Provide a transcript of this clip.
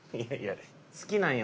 好きなんよ